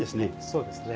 そうですね。